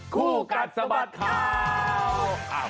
คู่กัดสะบัดข่าว